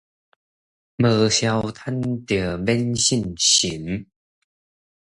無痟貪，就免信神